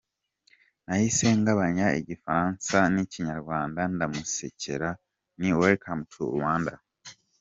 Nahise ngabanya Igifaransa n’Ikinyarwanda ndamusekera nti “Welcome to Rwanda.